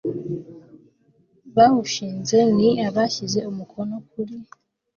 bawushinze ni abashyize umukono kuri